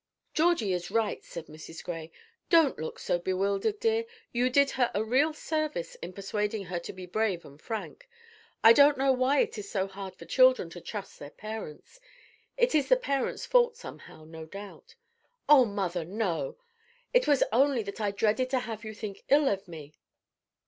"Georgie is right," said Mrs. Gray. "Don't look so bewildered, dear. You did her a real service in persuading her to be brave and frank. I don't know why it is so hard for children to trust their parents. It is the parents' fault somehow, no doubt." "Oh, mother, no! It was only that I dreaded to have you think ill of me."